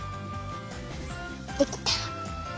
できた！